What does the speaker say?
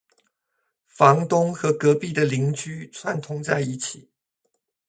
房东和隔壁的邻居串通在一起